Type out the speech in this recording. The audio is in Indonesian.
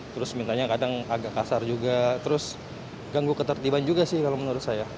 terus mintanya kadang agak kasar juga terus ganggu ketertiban juga sih kalau menurut saya